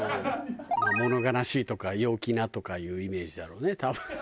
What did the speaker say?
物悲しいとか陽気なとかいうイメージだろうね多分。